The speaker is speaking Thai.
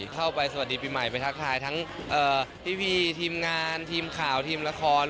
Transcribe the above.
เข้าไปสวัสดีปีใหม่ไปทักทายทั้งพี่ทีมงานทีมข่าวทีมละคร